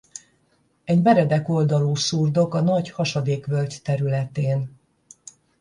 Egy meredek oldalú szurdok a Nagy Hasadékvölgy területén.